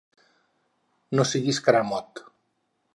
No siguis caramot.